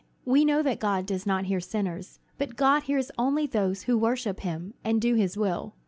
We know that God does not hear sinners; but God hears only those who worship him, and do his will.